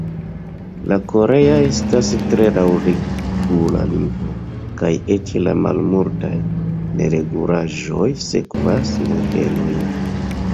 La korea estas tre laŭregula lingvo, kaj eĉ la malmultaj neregulaĵoj sekvas modelojn.